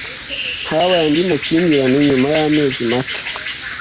Habaye andi makimbirane nyuma y'amezi make.